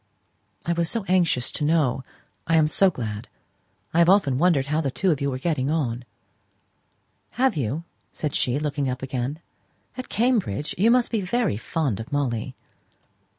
"I was so anxious to know. I am so glad. I have often wondered how you two were getting on." "Have you?" said she, looking up again. "At Cambridge? You must be very fond of Molly!"